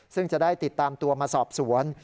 ซึ่งจะได้ติดตามตัวมาสอบสวน